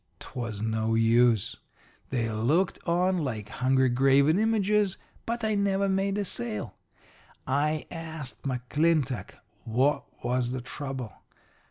'Twas no use. They looked on like hungry graven images, but I never made a sale. I asked McClintock what was the trouble.